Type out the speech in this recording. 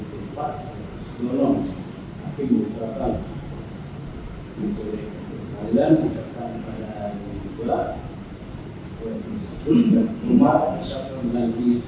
di luar sana di luar sana di luar sana di luar sana